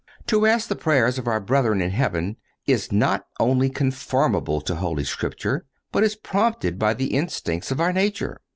To ask the prayers of our brethren in heaven is not only conformable to Holy Scripture, but is prompted by the instincts of our nature.